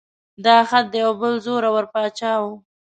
دا خط د یو بل زوره ور باچا و.